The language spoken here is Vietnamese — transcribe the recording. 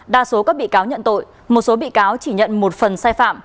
đa số các bị cáo nhận tội một số bị cáo chỉ nhận một phần sai phạm